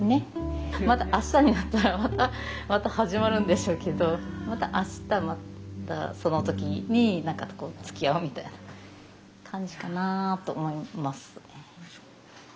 また明日になったらまた始まるんでしょうけど明日またその時につきあうみたいな感じかなあと思います。